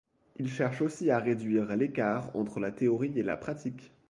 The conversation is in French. Il cherche aussi à réduire l’écart entre la théorie et la pratique.